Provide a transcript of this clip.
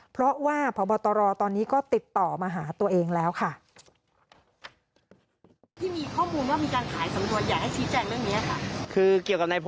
เพราะว่าพบตรตอนนี้ก็ติดต่อมาหาตัวเองแล้วค่ะ